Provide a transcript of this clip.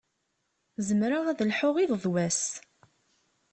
Zemreɣ ad lḥuɣ iḍ d wass.